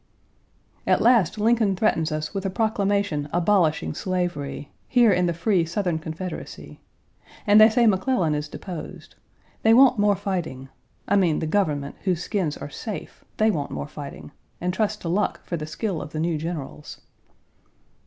At last Lincoln threatens us with a proclamation abolishing slavery1 here in the free Southern Confederacy; and they say McClellan is deposed. They want more fighting I mean the government, whose skins are safe, they want more fighting, and trust to luck for the skill of the new generals.